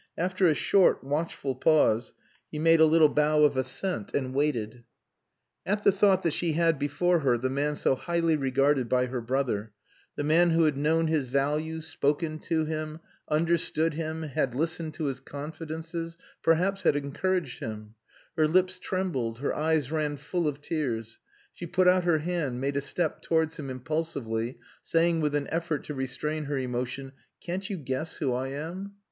After a short, watchful pause, he made a little bow of assent, and waited. At the thought that she had before her the man so highly regarded by her brother, the man who had known his value, spoken to him, understood him, had listened to his confidences, perhaps had encouraged him her lips trembled, her eyes ran full of tears; she put out her hand, made a step towards him impulsively, saying with an effort to restrain her emotion, "Can't you guess who I am?"